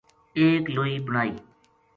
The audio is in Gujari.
اک لوئی بنائی